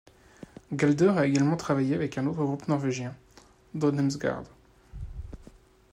Galder a également travaillé avec un autre groupe Norvégien, Dødheimsgard.